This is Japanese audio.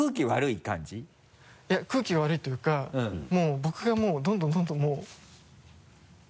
いや空気が悪いというかもう僕がもうどんどんどんどんもう。